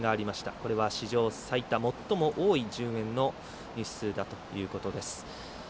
これは史上最多最も多い順延の日数だということです。